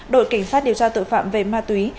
đội cảnh sát điều tra tội phạm về ma túy